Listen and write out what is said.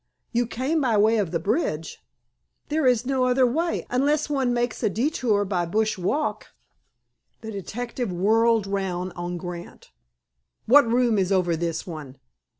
"You came by way of the bridge?" "There is no other way, unless one makes a detour by Bush Walk." The detective whirled round on Grant. "What room is over this one?"